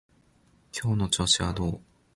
今日の調子はどう？